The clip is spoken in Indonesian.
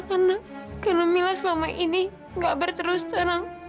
karena mila selama ini nggak berterus terang